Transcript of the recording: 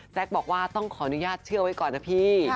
บอกว่าต้องขออนุญาตเชื่อไว้ก่อนนะพี่